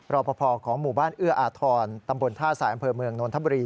รอปภของหมู่บ้านเอื้ออาทรตำบลท่าสายอำเภอเมืองนนทบุรี